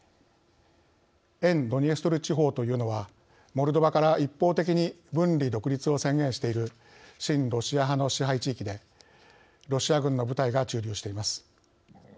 「沿ドニエストル地方」というのはモルドバから一方的に分離独立を宣言している親ロシア派の支配地域でロシア軍の部隊が駐留しています。